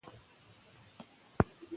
که هارډویر وي نو سیستم نه ټکنی کیږي.